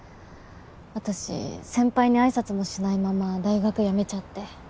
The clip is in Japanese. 私先輩に挨拶もしないまま大学辞めちゃって。